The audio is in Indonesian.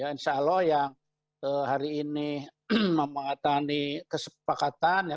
insyaallah yang hari ini mematangi kesepakatan ya